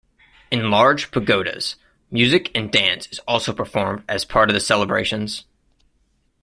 In large pagodas music and dance is also performed as part of the celebrations.